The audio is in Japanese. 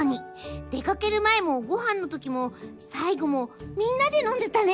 出かける前もごはんの時もさいごもみんなでのんでたね。